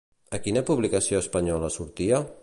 A quina publicació espanyola sortia?